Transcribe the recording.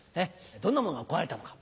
どんなものが壊れたのか。